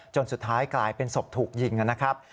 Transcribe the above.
สุดท้ายกลายเป็นศพถูกยิงนะครับ